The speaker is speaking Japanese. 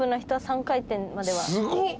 すごっ！